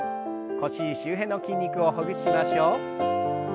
腰周辺の筋肉をほぐしましょう。